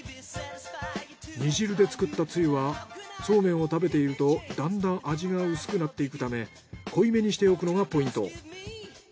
煮汁で作ったつゆはそうめんを食べているとだんだん味が薄くなっていくため濃い目にしておくのがポイント。